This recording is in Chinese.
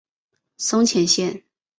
松前线。